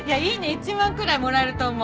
１万くらいもらえると思う。